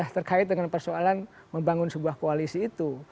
terkait dengan persoalan membangun sebuah koalisi itu